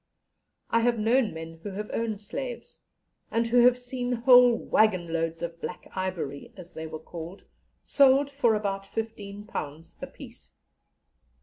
I have known men who have owned slaves, and who have seen whole waggon loads of Black Ivory, as they were called, sold for about £15 a piece.